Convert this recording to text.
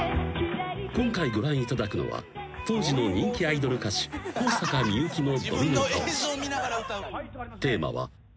［今回ご覧いただくのは当時の人気アイドル歌手香坂みゆきのドミノ倒し］